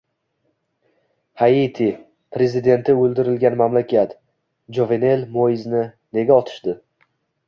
Haiti – prezidenti o‘ldirilgan mamlakat. Jovenel Moizni nega otishdi?